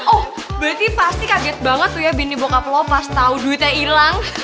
oh berarti pasti kaget banget tuh ya bini bokap lo pas tau duitnya hilang